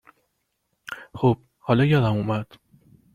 خب ، حالا یادم اومد